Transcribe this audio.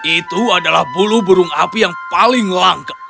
itu adalah bulu burung api yang paling langka